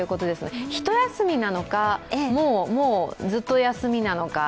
ひと休みなのか、もうずっと休みなのか。